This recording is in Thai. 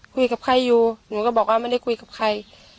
คุยกับใครอยู่หนูก็บอกว่าไม่ได้คุยกับใคร